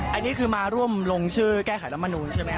อันนี้คือมาร่วมลงชื่อแก้ไขรัฐมนูลใช่ไหมครับ